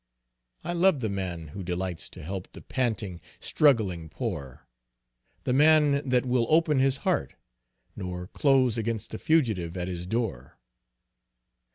"I love the man who delights to help The panting, struggling poor: The man that will open his heart, Nor close against the fugitive at his door.